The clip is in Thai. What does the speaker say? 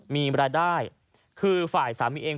มีรายได้คือฝ่ายสามีเอง